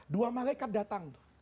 dua malaikat datang